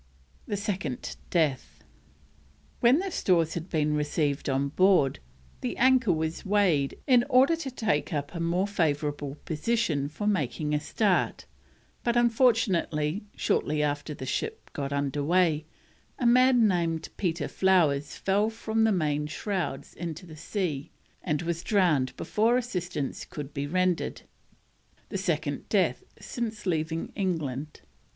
THE SECOND DEATH. When the stores had been received on board, the anchor was weighed in order to take up a more favourable position for making a start, but, unfortunately, shortly after the ship got underway, a man named Peter Flowers fell from the main shrouds into the sea and was drowned before assistance could be rendered: the second death since leaving England.